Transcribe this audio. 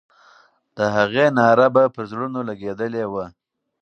د هغې ناره به پر زړونو لګېدلې وه.